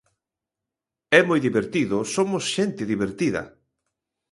É moi divertido, somos xente divertida.